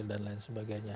dan lain sebagainya